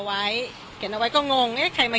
วันนี้เป็นเยอะเลย